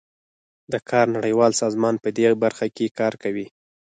د کار نړیوال سازمان پدې برخه کې کار کوي